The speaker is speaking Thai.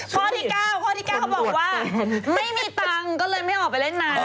คะวที่เก้าเขาบอกว่าไม่มีตังก็เลยไม่ออกไปเล่นหน่า